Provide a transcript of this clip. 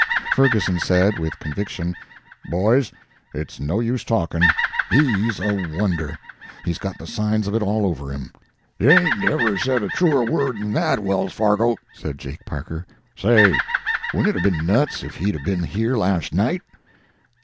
Ferguson said, with conviction, "Boys, it's no use talking, he's a wonder! He's got the signs of it all over him." "You hain't ever said a truer word than that, Wells Fargo," said Jake Parker. "Say, wouldn't it 'a' been nuts if he'd a been here last night?"